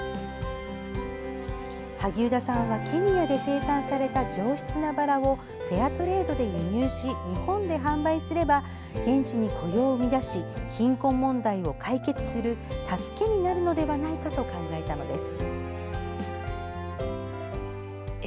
萩生田さんはケニアで生産された上質なバラをフェアトレードで輸入し日本で販売すれば現地に雇用を生み出し貧困問題を解決する助けになるのではないかと考えたのです。